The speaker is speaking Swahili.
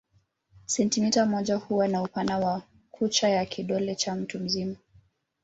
Sentimita moja huwa ni upana wa kucha ya kidole cha mtu mzima.